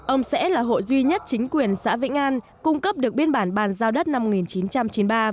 ông sẽ là hộ duy nhất chính quyền xã vĩnh an cung cấp được biên bản bàn giao đất năm một nghìn chín trăm chín mươi ba